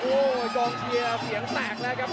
โอ้โหกองเชียร์เสียงแตกแล้วครับ